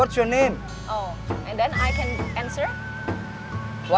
oh dan saya bisa menjawab